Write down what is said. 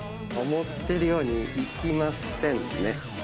思ってるようにいきませんね。